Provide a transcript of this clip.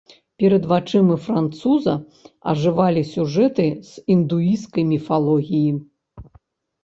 Перад вачыма француза ажывалі сюжэты з індуісцкай міфалогіі.